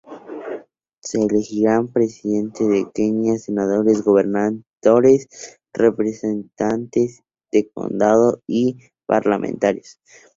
Se elegirán Presidente de Kenia, senadores, gobernadores, representantes de condado y parlamentarios.